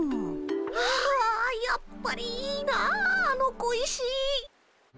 あやっぱりいいなあの小石。